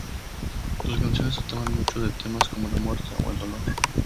Sus canciones trataban mucho de temas como la muerte o el dolor.